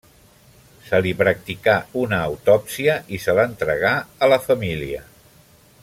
Se li practicà una autòpsia i se l'entregà a la família.